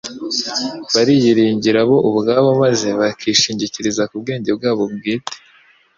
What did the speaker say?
Bariyiringiraga bo ubwabo maze bakishingikiriza ku bwenge- bwabo bwite,